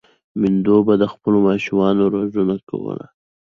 میندو به د خپلو ماشومانو روزنه کوله.